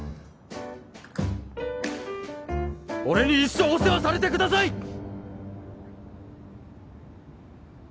俺に一生お世話されてください！